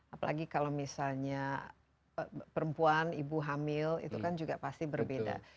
apalagi kalau misalnya perempuan ibu hamil itu kan juga pasti berbeda